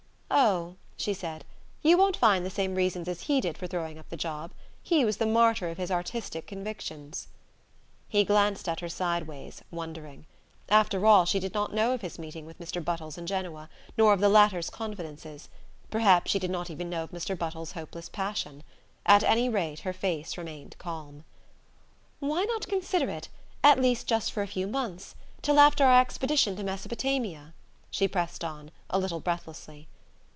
"Oh," she said, "you won't find the same reasons as he did for throwing up the job. He was the martyr of his artistic convictions." He glanced at her sideways, wondering. After all she did not know of his meeting with Mr. Buttles in Genoa, nor of the latter's confidences; perhaps she did not even know of Mr. Buttles's hopeless passion. At any rate her face remained calm. "Why not consider it at least just for a few months? Till after our expedition to Mesopotamia?" she pressed on, a little breathlessly.